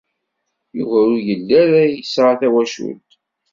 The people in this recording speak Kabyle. Yuba ur yelli ara yesɛa tawacult.